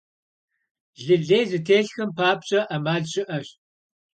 Лы лей зытелъхэм папщӀэ Ӏэмал щыӀэщ.